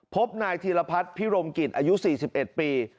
พบนายธีรพัฒน์พิรมกิจอายุสี่สิบเอ็ดปี